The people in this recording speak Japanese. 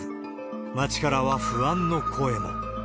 街からは不安の声も。